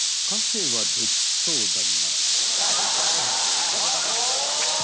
カフェはできそうだな。